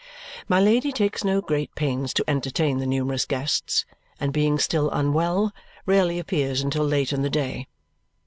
My Lady takes no great pains to entertain the numerous guests, and being still unwell, rarely appears until late in the day.